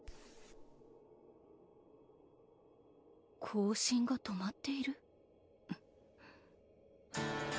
更新が止まっている？